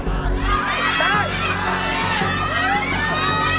ได้